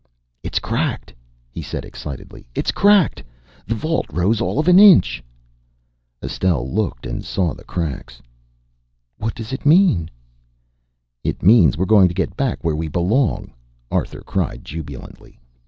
"It's cracked," he said excitedly. "It's cracked! The vault rose all of an inch!" Estelle looked and saw the cracks. "What does that mean?" "It means we're going to get back where we belong," Arthur cried jubilantly.